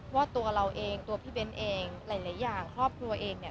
ว่าตัวเราเองตัวพี่เบ้นเองหลายอย่างครอบครัวเองเนี่ย